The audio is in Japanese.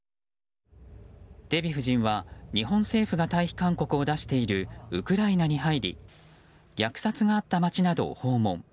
デヴィ夫人は日本政府が退避勧告を出しているウクライナに訪問し虐殺があった街などを訪問。